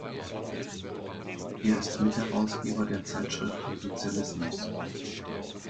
Er ist Mitherausgeber der Zeitschrift "Sozialismus".